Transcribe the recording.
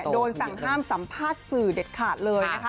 โดนสั่งห้ามสัมภาษณ์สื่อเด็ดขาดเลยนะคะ